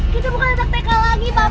kita bukan detek detek lagi bapak